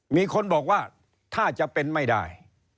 มีคนบอกว่าถ้าจะเป็นไม่ได้